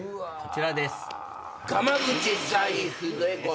こちらです。